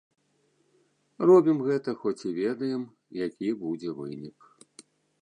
Робім гэта, хоць і ведаем, які будзе вынік.